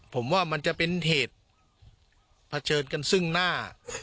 ผมว่ามันจะเป็นเหตุเผชิญกันซึ่งหน้า